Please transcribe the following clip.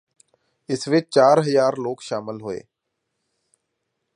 ਇਸ ਵਿਚ ਚਾਰ ਹਜ਼ਾਰ ਲੋਕ ਸ਼ਾਮਲ ਹੋਏ